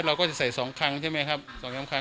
เราก็จะใส่๒ครั้งใช่ไหมครับ